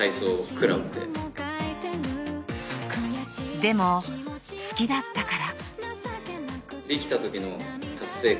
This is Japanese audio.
「でも好きだったから」